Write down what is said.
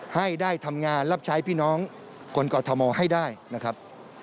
ให้ได้ทำงานรับใช้พี่น้องคนกอทมให้ได้นะครับ